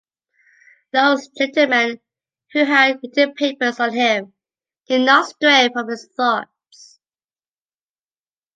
Those gentlemen who had written papers on him did not stray from his thoughts.